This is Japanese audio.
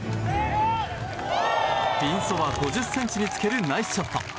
ピンそば５０ｃｍにつけるナイスショット。